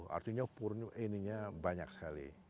artinya banyak sekali